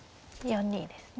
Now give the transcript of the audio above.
４二ですね。